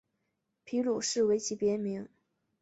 皮鲁士为其别名。